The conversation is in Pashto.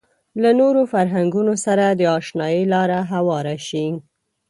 له نورو فرهنګونو سره د اشنايي لاره هواره شي.